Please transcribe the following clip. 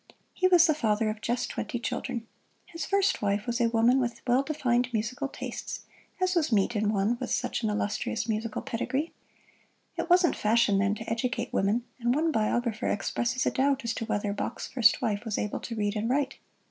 He was the father of just twenty children. His first wife was a woman with well defined musical tastes, as was meet in one with such an illustrious musical pedigree. It wasn't fashion then to educate women, and one biographer expresses a doubt as to whether Bach's first wife was able to read and write.